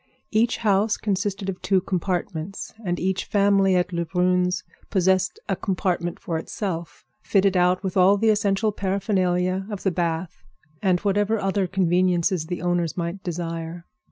Each house consisted of two compartments, and each family at Lebrun's possessed a compartment for itself, fitted out with all the essential paraphernalia of the bath and whatever other conveniences the owners might desire.